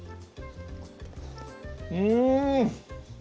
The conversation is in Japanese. うん！